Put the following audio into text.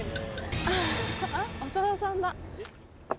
長田さんだ。